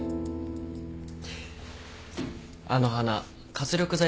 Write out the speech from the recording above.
あの花活力剤